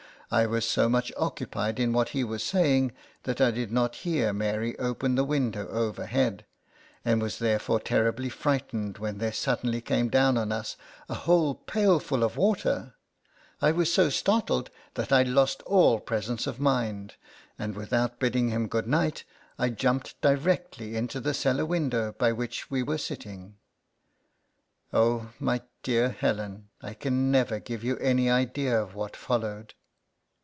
I was so much occupied in what he was saying, that I did not hear Mary open the window overhead, and was therefore terribly frightened when there suddenly came down on us a whole pailful of water. I was 62 LETTERS FROM A CAT. so startled that I lost all presence of mind ; and without bidding him good night, I jumped directly into the cellar window by which we were sitting. Oh, my dear Helen, I can never give you any idea of what fol lowed.